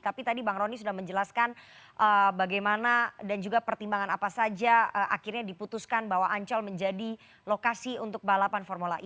tapi tadi bang rony sudah menjelaskan bagaimana dan juga pertimbangan apa saja akhirnya diputuskan bahwa ancol menjadi lokasi untuk balapan formula e